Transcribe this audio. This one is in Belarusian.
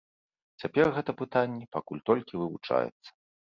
Цяпер гэта пытанне пакуль толькі вывучаецца.